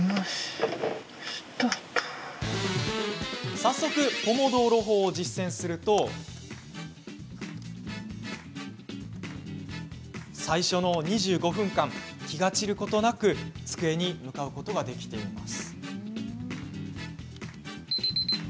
早速、ポモドーロ法を実践すると最初の２５分間気が散ることなく机に向かうことができています。